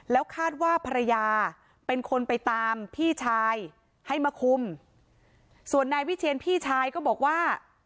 แล้วคาดว่าภรรยาเป็นคนไปตามพี่ชายให้มาคุมส่วนนายวิเชียนพี่ชายก็บอกว่า